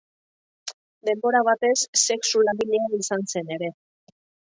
Denbora batez sexu langilea izan zen ere.